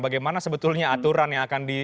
bagaimana sebetulnya aturan yang akan di